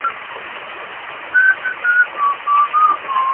庐山瓦韦为水龙骨科瓦韦属下的一个种。